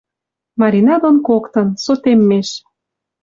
Марина дон коктын... сотеммеш». —